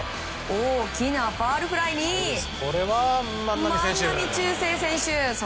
大きなファウルフライに万波中正選手！